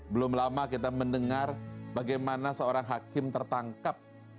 belum lama kita mendengar bagaimana seorang hakim tertangkap